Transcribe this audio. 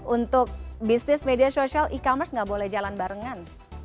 untuk bisnis media sosial e commerce gak boleh jalan barengan